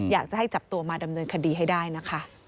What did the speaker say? อยากจะให้จับตัวมาดำเนินคดีให้ได้นะคะ